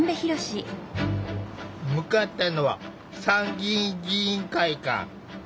向かったのは参議院議員会館。